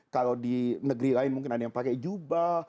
kalau di negeri lain mungkin ada yang pakai jubah